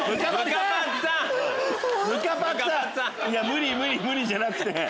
「無理無理」じゃなくて。